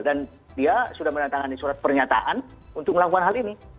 dia sudah menandatangani surat pernyataan untuk melakukan hal ini